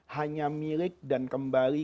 hanya milik dan kembali